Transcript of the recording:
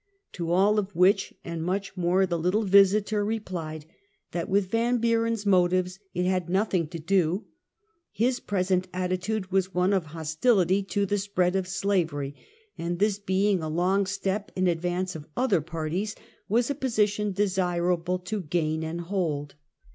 To all of which, and much more, the little Visiter replied, that with Yan Buren 's motives it had nothing to do. His present attitude was one of hos tility to the spread of slavery, and this being a long step in advance of other parties, was a position desir able to gain and hold.